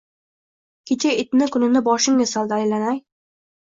Kecha itni kunini boshimga soldi, aylanay!